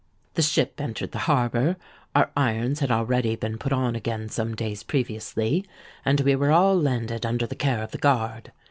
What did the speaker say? "The ship entered the harbour; our irons had already been put on again some days previously; and we were all landed under the care of the guard.